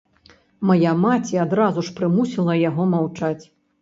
Мая маці адразу ж прымусіла яго маўчаць.